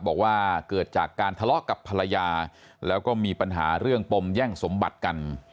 บอกว่าเกิดจากการทะเลาะกับภรรยาแล้วก็มีปัญหาเรื่องปมแย่งสมบัติกัน